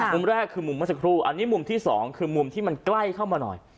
มุมแรกคือมุมเมื่อสักครู่อันนี้มุมที่สองคือมุมที่มันใกล้เข้ามาหน่อย